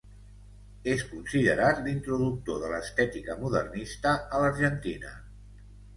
És considerat l'introductor de l'estètica modernista a l'Argentina.